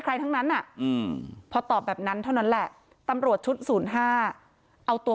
ทั้งนั้นพอตอบแบบนั้นเท่านั้นแหละตำรวจชุด๐๕เอาตัว